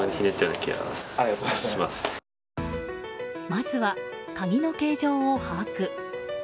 まずは鍵の形状を把握。